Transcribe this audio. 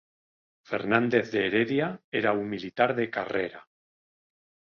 Fernández de Heredia era un militar de carrera.